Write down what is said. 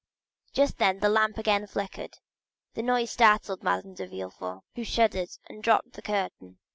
Just then the lamp again flickered; the noise startled Madame de Villefort, who shuddered and dropped the curtain.